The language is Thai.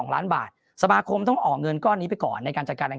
ล้านบาทสมาคมต้องออกเงินก้อนนี้ไปก่อนในการจัดการแรง